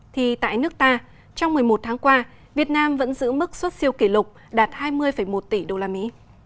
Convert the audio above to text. thì tại nước ta trong một mươi một tháng qua việt nam vẫn giữ mức xuất siêu kỷ lục đạt hai mươi một tỷ đô la mỹ